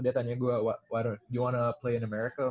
dia tanya gua you wanna play in america